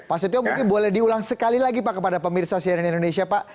pak setio mungkin boleh diulang sekali lagi pak kepada pemirsa cnn indonesia pak